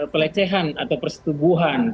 pelecehan atau persetubuhan